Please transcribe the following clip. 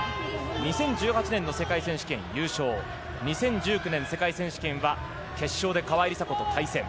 ２０１８年の世界選手権優勝、２０１９年世界選手権は決勝で川井梨紗子と対戦。